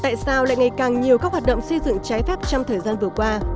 tại sao lại ngày càng nhiều các hoạt động xây dựng trái phép trong thời gian vừa qua